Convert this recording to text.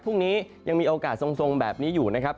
พรุ่งนี้ยังมีโอกาสทรงแบบนี้อยู่นะครับ